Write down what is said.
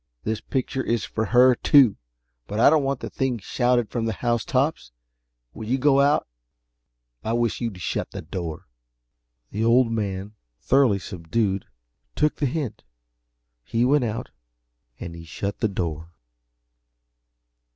This picture is for her, too but I don't want the thing shouted from the housetops. When you go out, I wish you'd shut the door." The Old Man, thoroughly subdued, took the hint. He went out, and he shut the door.